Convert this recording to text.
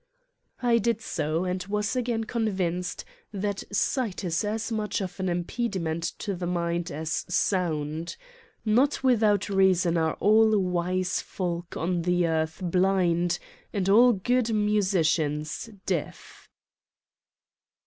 I did so and was again convinced that sight is as much of an impediment to the mind as sound : not without reason are all wise folk on the earth blind and all good musicians deaf.